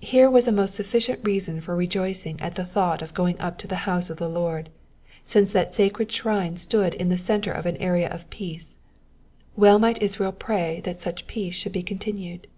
Here was a most sutficient reason for rejoicing at the thought of going up to the house of the Lord, since that sacred shrine stood in the centre of an area of peace : well might Israel pray that such peace should be continued.